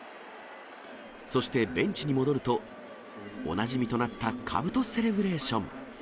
そしてベンチに戻ると、おなじみとなったかぶとセレブレーション。